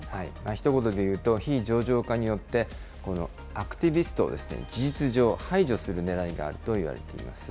ひと言で言うと非上場化によって、このアクティビストを事実上、排除するねらいがあるといわれています。